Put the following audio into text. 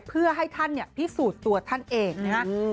เพื่อให้ท่านพิสูจน์ตัวท่านเองนะครับ